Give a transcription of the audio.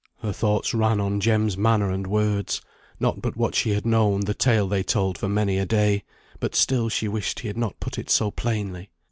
Her thoughts ran on Jem's manner and words; not but what she had known the tale they told for many a day; but still she wished he had not put it so plainly.